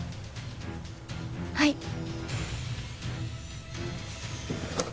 はい。